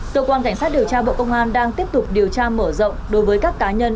cơ quan cảnh sát điều tra bộ công an đang tiếp tục điều tra mở rộng đối với các cá nhân